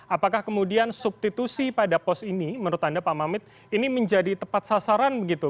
apakah kemudian substitusi pada pos ini menurut anda pak mamit ini menjadi tepat sasaran begitu